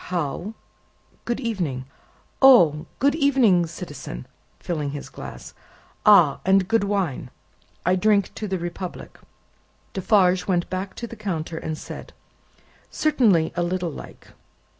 "How?" "Good evening." "Oh! Good evening, citizen," filling his glass. "Ah! and good wine. I drink to the Republic." Defarge went back to the counter, and said, "Certainly, a little like."